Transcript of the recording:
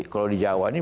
kalau di jawa ini